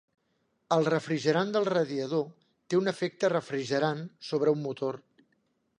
El refrigerant del radiador té un efecte refrigerant sobre un motor.